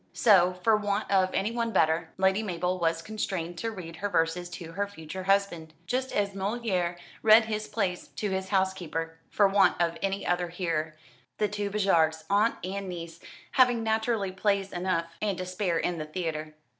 So, for want of anyone better, Lady Mabel was constrained to read her verses to her future husband; just as Molière reads his plays to his housekeeper, for want of any other hearer, the two Béjarts, aunt and niece, having naturally plays enough and to spare in the theatre.